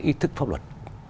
ý thức pháp luật